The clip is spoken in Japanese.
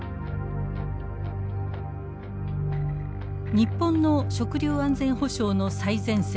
日本の食料安全保障の最前線。